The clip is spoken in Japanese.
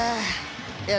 いや、